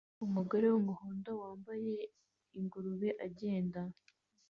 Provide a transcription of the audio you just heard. Umugore wumuhondo wambaye ingurube agenda